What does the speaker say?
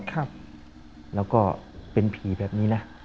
แล้วก็เป็นผีแบบนี้นะ